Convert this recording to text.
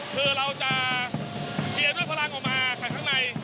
คือเราจะเชียร์ด้วยพลังออกมาจากข้างใน